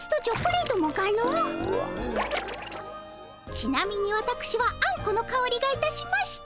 ちなみにわたくしはあんこのかおりがいたしました。